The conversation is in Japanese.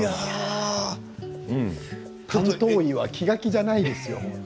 担当医は気が気じゃないですよ。